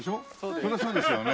そりゃそうですよね。